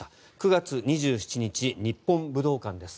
９月２７日、日本武道館です。